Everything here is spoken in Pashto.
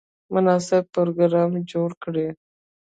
مناسب پروګرام جوړ کړي.